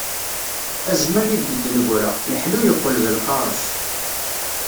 A zzman ideg d-negra, leḥlu yeqqel d lqareṣ.